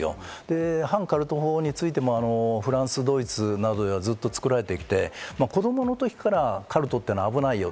反カルト法についてもフランス、ドイツなどではずっと作られてきて、子供の時からカルトっていうのは危ないよ。